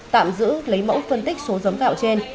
tạm giữ lấy mẫu phân tích số giống gạo trên